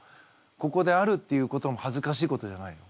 ここであるっていうこともはずかしいことじゃないよ。